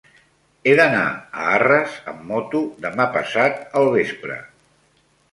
He d'anar a Arres amb moto demà passat al vespre.